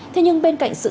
thế nhưng bên cạnh sự thống